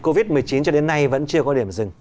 covid một mươi chín cho đến nay vẫn chưa có điểm dừng